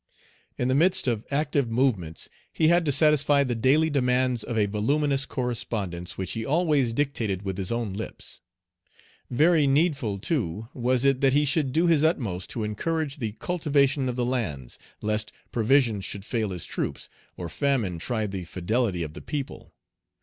In the midst of active movements he had to satisfy the daily demands of a voluminous correspondence, which he always dictated with his own lips. Very needful, too, was it that he should do his utmost to encourage the cultivation of the lands, lest provisions should fail his troops, or famine try the fidelity of the people.